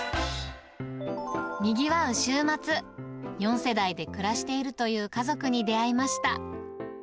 にぎわう週末、４世代で暮らしているという家族に出会いました。